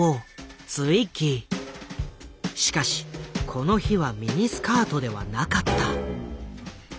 しかしこの日はミニスカートではなかった。